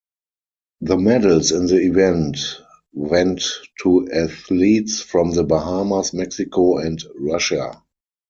The medals in the event went to athletes from the Bahamas, Mexico, and Russia.